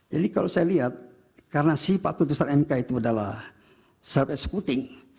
jadi kalau saya lihat karena sifat putusan mk itu adalah self executing